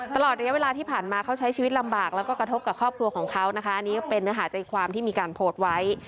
ตลอดระยะเวลาที่ผ่านมาเขาใช้ชีวิตลำบากแล้วก็กระทบกับครอบครัวของเขานะคะอันนี้ก็เป็นเนื้อหาใจความที่มีการโพสต์ไว้